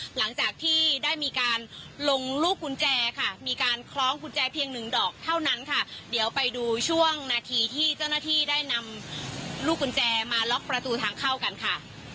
หลังจากที่ได้มีการลงลูกกุญแจค่ะมีการคล้องกุญแจเพียงหนึ่งดอกเท่านั้นค่ะเดี๋ยวไปดูช่วงนาทีที่เจ้าหน้าที่ได้นำลูกกุญแจมาล็อกประตูทางเข้ากันค่ะ